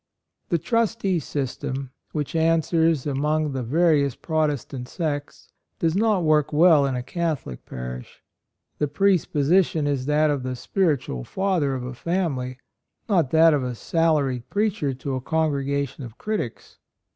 The trustee sys tem, which answers among the various Protestant sects, does not work well in a Catholic parish. The priest's position is that of the spiritual father of a family, not that of a salaried preacher to a congregation of critics.